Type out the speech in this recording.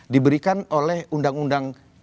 diberikan oleh undang undang